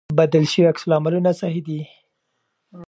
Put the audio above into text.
بدل شوي عکس العملونه صحي دي.